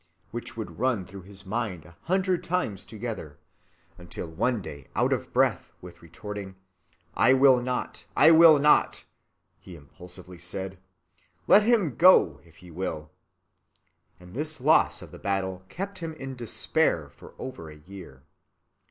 which would run through his mind a hundred times together, until one day out of breath with retorting, "I will not, I will not," he impulsively said, "Let him go if he will," and this loss of the battle kept him in despair for over a year.